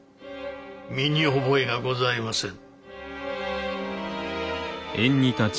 身に覚えがございません。